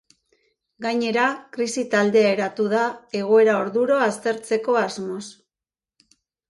Gainera, krisi taldea eratu da, egoera orduro aztertzeko asmoz.